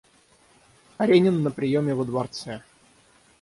Каренин на приеме во дворце.